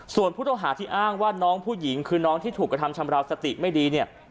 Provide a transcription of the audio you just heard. ส่วนผู้ต้องหาที่อ้างว่าน้องผู้หญิงคือน้องที่ถูกกระทำชำราวสติไม่ดีเนี่ย